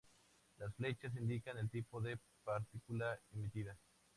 Las flechas indican el tipo de partícula emitida.